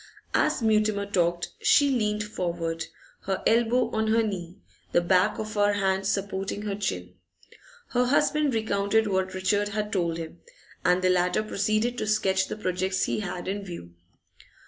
As Mutimer talked she leaned forward, her elbow on her knee, the back of her hand supporting her chin. Her husband recounted what Richard had told him, and the latter proceeded to sketch the projects he had in view.